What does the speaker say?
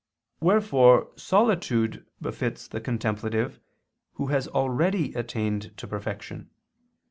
Wherefore solitude befits the contemplative who has already attained to perfection.